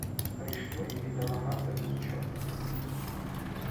Прийшли і делегати з чот.